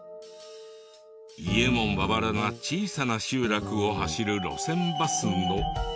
家もまばらな小さな集落を走る路線バスのバス停が。